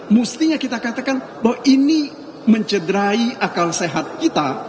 mestinya kita katakan bahwa ini mencederai akal sehat kita